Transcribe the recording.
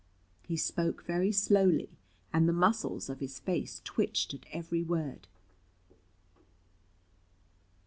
He spoke very slowly, and the muscles of his face twitched at every word.